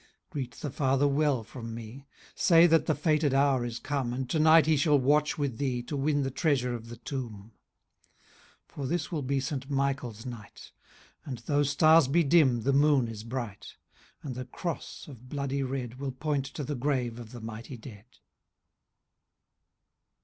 Greet the &ther well firom me ; Say that the &ted hour is come. And to night he shall watch with thee. To win the treasure of the tomb :• For this will be St Michael's night, And, though stars be dim, the moon is bright ; And the Cross, of bloody red. Will point to the grave of the mighty dead.